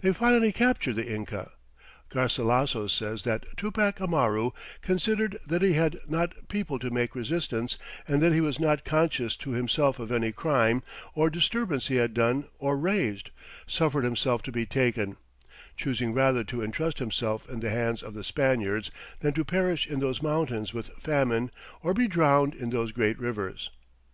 They finally captured the Inca. Garcilasso says that Tupac Amaru, "considering that he had not People to make resistance, and that he was not conscious to himself of any Crime, or disturbance he had done or raised, suffered himself to be taken; choosing rather to entrust himself in the hands of the Spaniards, than to perish in those Mountains with Famine, or be drowned in those great Rivers